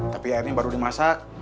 tapi airnya baru dimasak